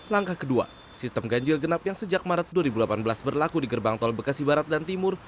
langkah kedua sistem ganjil genap yang sejak maret dua ribu delapan belas berlaku di gerbang tol bekasi barat dan timur